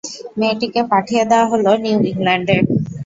মেয়েটিকে পাঠিয়ে দেওয়া হল নিউ ইংল্যাণ্ডে।